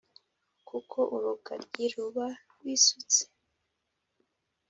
Kuko urugaryi ruba rwisutse